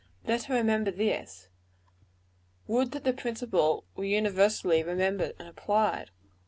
Let her remember this. Would that the principle were universally remembered and applied!